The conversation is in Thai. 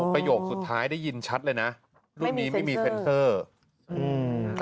ประโยคสุดท้ายได้ยินชัดเลยนะรูปนี้ไม่มีเซ็นเซอร์อืม